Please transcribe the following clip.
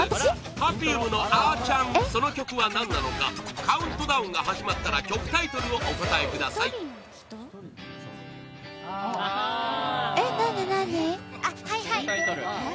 Ｐｅｒｆｕｍｅ のあちゃんその曲は何なのかカウントダウンが始まったら曲タイトルをお答えくださいえ、何々？